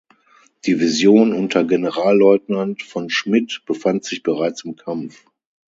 Division unter Generalleutnant von Schmidt befand sich bereits im Kampf.